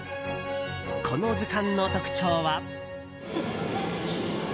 この図鑑の特徴は。